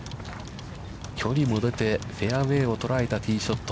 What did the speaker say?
距離も出て、フェアウェイを捉えたティーショット。